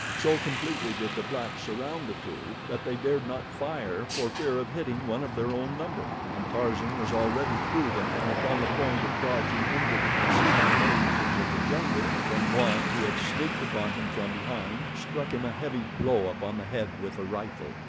So completely did the blacks surround the two that they dared not fire for fear of hitting one of their own number, and Tarzan was already through them and upon the point of dodging into the concealing mazes of the jungle when one who had sneaked upon him from behind struck him a heavy blow upon the head with a rifle.